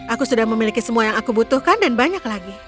aku sudah memiliki semua yang aku butuhkan dan banyak lagi